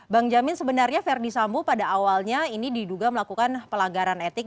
bang jamin sebenarnya verdi sambo pada awalnya ini diduga melakukan pelanggaran etik